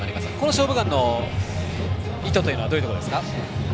「勝負眼」の意図はどういうところですか？